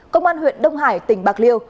công an huyện đông hải tỉnh bạc liêu